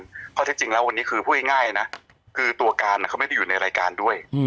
ข้อเท็จจริงแล้ววันนี้คือพูดง่ายนะคือตัวการเขาไม่ได้อยู่ในรายการด้วย